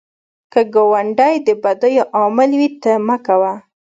که ګاونډی د بدیو عامل وي، ته مه کوه